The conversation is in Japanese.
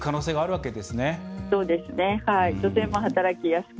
そうですねはい。